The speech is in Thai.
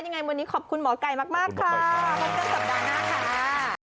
ยังไงวันนี้ขอบคุณหมอไก่มากค่ะขอบคุณหมอไก่ค่ะขอบคุณสัปดาห์๕ค่ะ